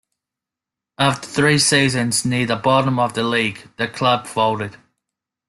After three seasons near the bottom of the league the club folded.